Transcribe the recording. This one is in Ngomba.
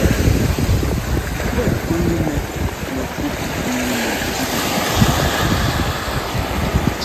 Pɛ́ pʉʉnɛ mɛkup pʉʉ nɛ́ tʉ́.